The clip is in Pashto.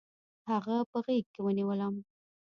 هغه په غېږ کې ونیولم.